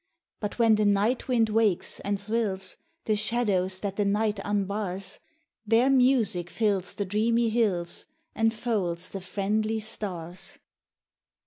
But when the night wind wakes and thrills The shadows that the night unbars, Their music fills the dreamy hills, And folds the friendly stars.